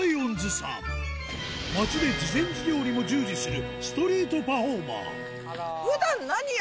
街で慈善事業にも従事する